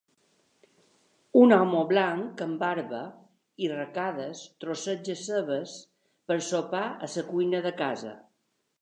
Un home blanc amb barba i arracades trosseja cebes per sopar a la cuina de casa.